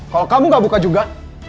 kalau kamu gak buka juga